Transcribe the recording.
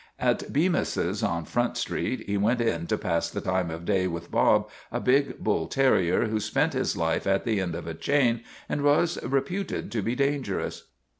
At Bemis's on Front Street he went in to pass the time of day with Bob, a big bull terrier who spent his life at the end of a chain and was reputed to be dangerous.